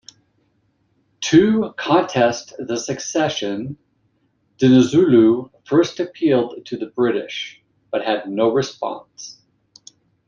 To contest the succession, Dinuzulu first appealed to the British, but had no response.